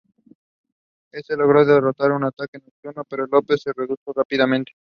Éste logró derrotarlo en un ataque nocturno, pero López se repuso rápidamente.